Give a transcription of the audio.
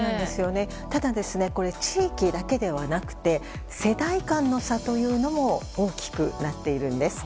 ただこれ、地域だけではなくて世代間の差というのも大きくなっているんです。